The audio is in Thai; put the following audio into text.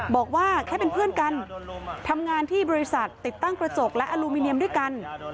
บอกว่าแค่เป็นเพื่อนกันทำงานที่บริษัทติดตั้งกระจกและอลูมิเนียมด้วยกัน